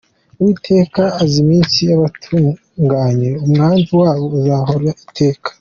Uwiteka azi iminsi y’abatunganye, Umwandu wabo uzahoraho iteka.